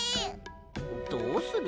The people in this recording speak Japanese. どうする？